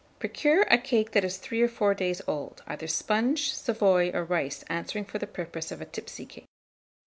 Procure a cake that is three or four days old, either sponge, Savoy, or rice answering for the purpose of a tipsy cake.